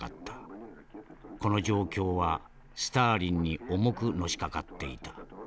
この状況はスターリンに重くのしかかっていた。